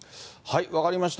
分かりました。